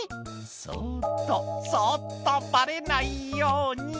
「そっとそっとバレないように」